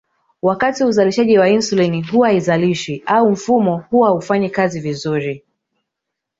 Wakati wa uzalishaji wa insulini huwa haizalishwi au mfumo huwa haufanyi kazi vizuri